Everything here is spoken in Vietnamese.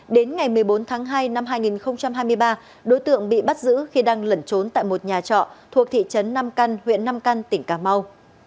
đến ngày một mươi bốn tháng hai năm hai nghìn hai mươi ba đối tượng bị bắt giữ khi đang lẩn trốn tại một nhà trọ thuộc thị trấn nam căn huyện nam căn tỉnh cà mau